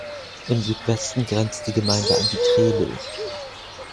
Im Südwesten grenzt die Gemeinde an die Trebel.